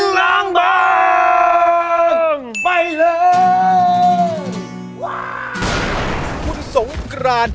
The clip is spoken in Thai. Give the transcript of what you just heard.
ขอให้มันแล้ว